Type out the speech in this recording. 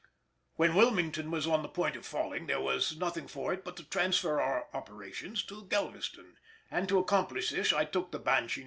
When Wilmington was on the point of falling there was nothing for it but to transfer our operations to Galveston, and to accomplish this I took the Banshee No.